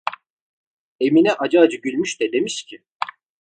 Emine acı acı gülmüş de demiş ki: